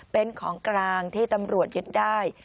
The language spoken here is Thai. เป็นของกลางที่ตำรวจยึดได้